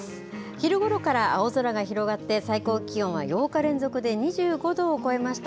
昼ごろから青空が広がって、最高気温は８日連続で２５度を超えました。